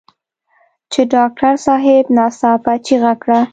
چې ډاکټر صاحب ناڅاپه چيغه کړه.